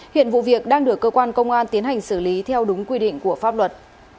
hiện vụ việc đang được cơ quan công an tiến hành xử lý theo đúng quy định của pháp luật